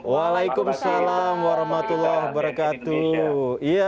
waalaikumsalam warahmatullahi wabarakatuh